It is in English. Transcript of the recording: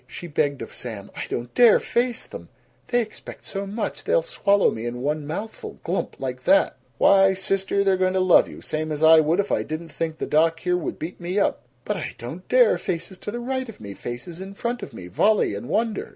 She begged of Sam, "I don't dare face them! They expect so much. They'll swallow me in one mouthful glump! like that!" "Why, sister, they're going to love you same as I would if I didn't think the doc here would beat me up!" "B but I don't dare! Faces to the right of me, faces in front of me, volley and wonder!"